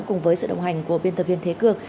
cùng với sự đồng hành của biên tập viên thế cương